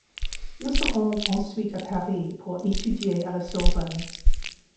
Il se rend ensuite à Paris pour étudier à la Sorbonne.